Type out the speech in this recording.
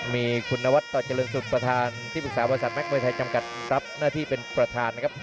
มีคุณนวัดต่อเจริญศุกร์ประธานที่ปรึกษาบริษัทแม็กมวยไทยจำกัดรับหน้าที่เป็นประธานนะครับ